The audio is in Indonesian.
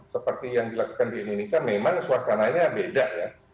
seperti yang dilakukan di indonesia memang suasananya beda ya